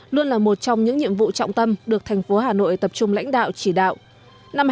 luôn là một trong những nhiệm vụ trọng tâm được thành phố hà nội tập trung lãnh đạo chỉ đạo